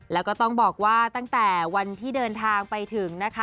แล้วก็ต้องบอกว่าตั้งแต่วันที่เดินทางไปถึงนะคะ